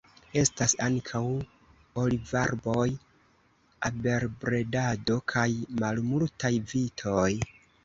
Estas ankaŭ olivarboj, abelbredado kaj malmultaj vitoj.